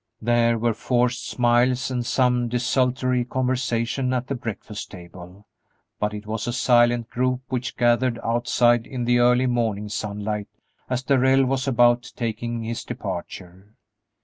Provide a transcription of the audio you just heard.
There were forced smiles and some desultory conversation at the breakfast table, but it was a silent group which gathered outside in the early morning sunlight as Darrell was about taking his departure.